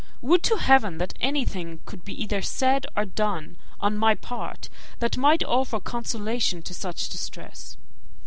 Would to Heaven that anything could be either said or done on my part, that might offer consolation to such distress!